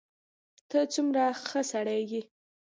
ته څومره ښه سړی یې.